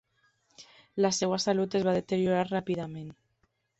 La seva salut es va deteriorar ràpidament.